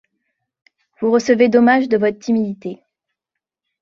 Vous recevez dommage de votre timidité.